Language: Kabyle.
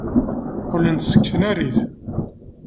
Qqlen-d seg tnarit.